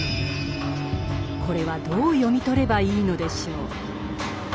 これはどう読み取ればいいのでしょう。